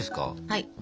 はい。